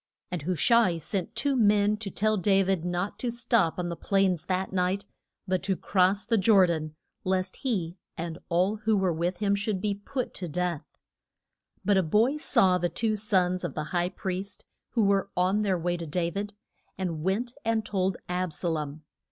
And Hu sha i sent two young men to tell Da vid not to stop on the plains that night, but to cross the Jor dan, lest he and all who were with him should be put to death. But a boy saw the two sons of the high priest who were on their way to Da vid, and went and told Ab sa lom.